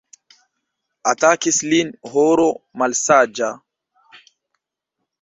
Atakis lin horo malsaĝa.